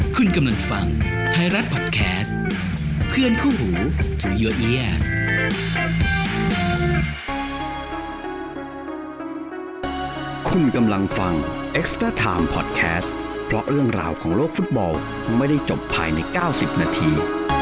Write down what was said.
คุณกำลังฟังไทยรัฐพอดแคสต์เพื่อนคู่หูที่คุณกำลังฟังพอดแคสต์เพราะเรื่องราวของโลกฟุตบอลไม่ได้จบภายใน๙๐นาที